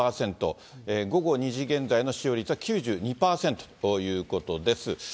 午後２時現在の使用率は９２％ということです。